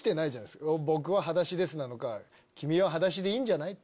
「僕ははだしです」なのか「君ははだしでいいんじゃない？」とか。